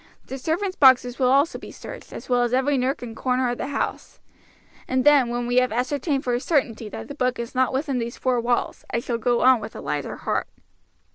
The servants' boxes will also be searched, as well as every nook and corner of the house; and then, when we have ascertained for a certainty that the book is not within these four walls, I shall go on with a lighter heart."